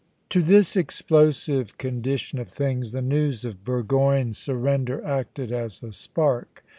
To this explosive condition of things the news of Burgoyne's surrender acted as a spark.